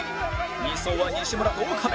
２走は西村と岡部